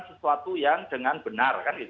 sesuatu yang dengan benar